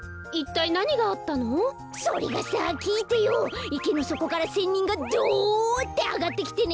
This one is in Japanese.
いけのそこから仙人がどってあがってきてね